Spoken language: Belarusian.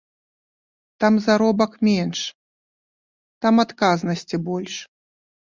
Там заробак менш, там адказнасці больш.